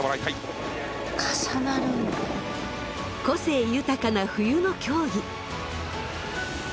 個性豊かな冬の競技。